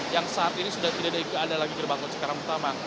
yang saat ini sudah tidak ada lagi gerbang tol cikarang utama